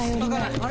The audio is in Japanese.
あれ？